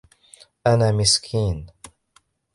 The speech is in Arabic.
أنا مسكين.